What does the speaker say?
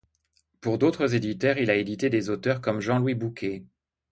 Pour d'autres éditeurs, il a édité des auteurs comme Jean-Louis Bouquet.